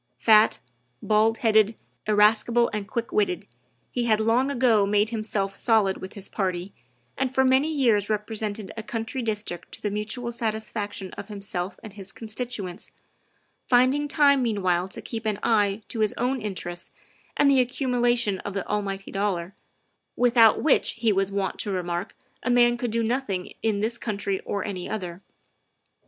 Fat, bald headed, irascible, and quick witted, he had long ago made himself solid with his party, and for many years represented a country district to the mutual satisfaction of himself and his constituents, finding time meanwhile to keep an eye to his own interests and the accumulation of the almighty dollar, without which, he was wont to remark, a man could do nothing in this country or any other.